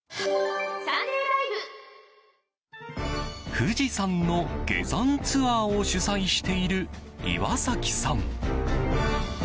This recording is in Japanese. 富士山の下山ツアーを主催している岩崎さん。